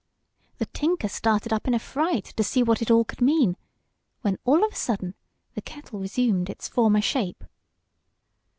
The tinker started up in a fright to see what it could all mean, when all of a sudden the kettle resumed its former shape.